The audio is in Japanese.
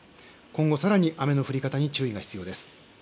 今後さらに雨の降り方に注意が必要です。